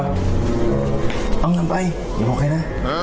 ต้องทำไปอย่าบอกใครนะ